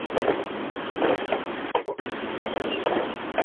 斋拉镇为缅甸伊洛瓦底省皮亚朋县的行政区。